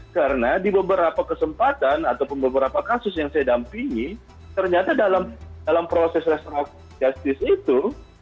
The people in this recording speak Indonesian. karena di beberapa kesempatan ataupun beberapa kasus yang saya dampingi ternyata dalam proses restauk justice itu